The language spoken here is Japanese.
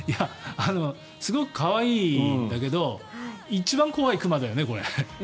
すごく可愛いんだけど一番怖い熊だよね、これ。